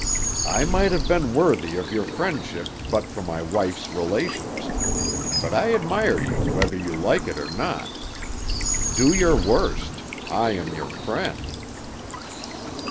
"I might have been worthy of your friendship but for my wife's relations, but I admire you whether you like it or not. Do your worst; I am your friend."